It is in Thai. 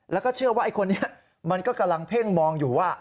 แล้วก็เชื่อว่าไอ้คนนี้มันก็กำลังเพ่งมองอยู่ว่า